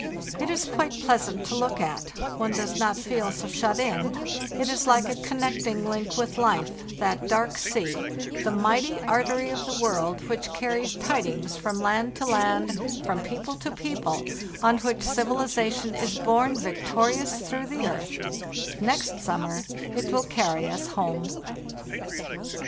It is quite pleasant to look at it; one does not feel so shut in; it is hke a connecting link with life, that dark sea, the mighty artery of the world, which carries tidings LAND AT LAST 445 from land to land, from people to people, on which civili zation 1s borne victorious through the earth; next sum mer it will carry us home.